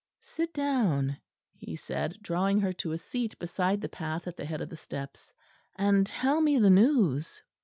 "Sit down," he said, drawing her to a seat beside the path at the head of the steps: "and tell me the news."